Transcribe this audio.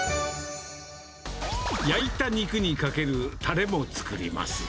焼いた肉にかけるたれも作ります。